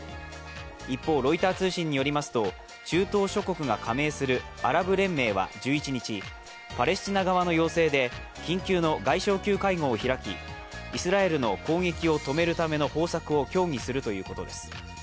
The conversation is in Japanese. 一方、ロイター通信によりますと、中東諸国が加盟するアラブ連盟は１１日パレスチナ側の要請で緊急の外相級会合を開き、イスラエルの攻撃を止めるための方策を協議するということです。